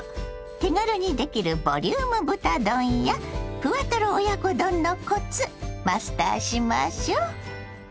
手軽にできるボリューム豚丼やふわトロ親子丼のコツマスターしましょう。